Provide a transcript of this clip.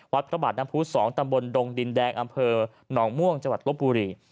วัดพระบาทน้ำพุ๒ตำบลดงดินแดงอำเภอหนองม่วงจลบบุรี